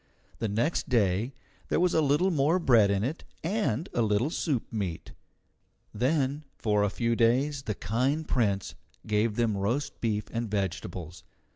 The next day there was a little more bread in it and a little soup meat. Then for a few days the kind Prince gave them roast beef and vegetables.